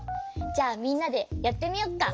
じゃあみんなでやってみよっか。